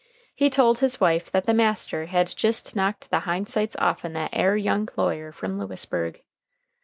He told his wife that the master had jist knocked the hind sights offen that air young lawyer from Lewisburg.